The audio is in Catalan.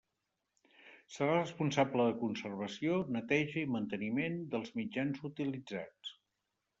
Serà responsable de la conservació, neteja i manteniment dels mitjans utilitzats.